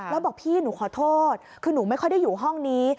แล้วบอกพี่หนูขอโทษคือหนูไม่ค่อยได้อยู่ห้องนี้